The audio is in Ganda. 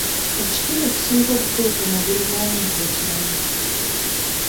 Ekitundu ekisinga obukulu ku mubiri gw'omuntu okimanyi?